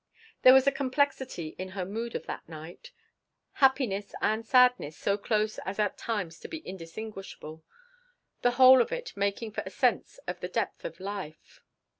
There was a complexity in her mood of that night happiness and sadness so close as at times to be indistinguishable the whole of it making for a sense of the depth of life.